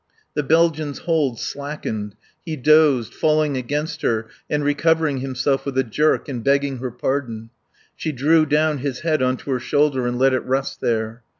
The Belgian's hold slackened; he dozed, falling against her and recovering himself with a jerk and begging her pardon. She drew down his head on to her shoulder and let it rest there.